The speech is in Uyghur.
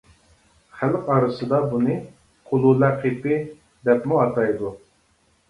خەلق ئارىسىدا بۇنى «قۇلۇلە قېپى» دەپمۇ ئاتايدۇ.